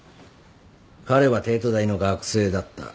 彼は帝都大の学生だった。